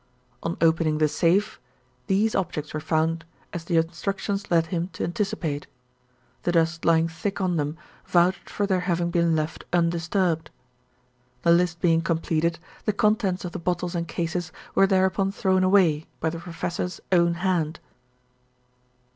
On opening the safe, these objects were found as the Instructions led him to anticipate: the dust lying thick on them vouched for their having been left undisturbed. The list being completed, the contents of the bottles and cases were thereupon thrown away by the Professor's own hand.